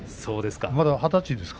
まだ二十歳ですか？